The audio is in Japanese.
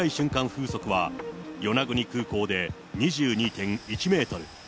風速は、与那国空港で２２．１メートル。